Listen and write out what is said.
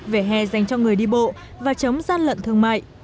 về hè dành cho người đi bộ và chống gian lận thương mại